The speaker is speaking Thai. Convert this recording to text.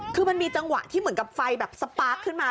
คือมันมีจังหวะที่เหมือนกับไฟแบบสปาร์คขึ้นมา